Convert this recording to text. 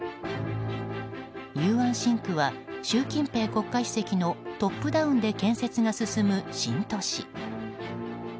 雄安新区は習近平国家主席のトップダウンで建設が進む新都市。